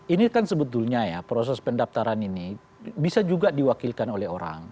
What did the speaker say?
ini kan sebetulnya ya proses pendaftaran ini bisa juga diwakilkan oleh orang